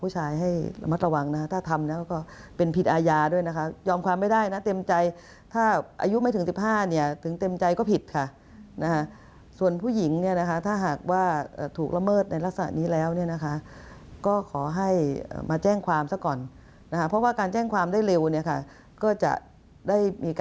จะไปพิสูจน์ว่ากลมคืนจริงหรือเปล่า